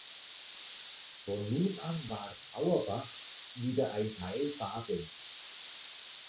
Von nun an war Auerbach wieder ein Teil Badens.